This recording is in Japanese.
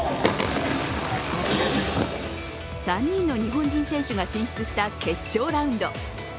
３人の日本人選手が進出した決勝ラウンド。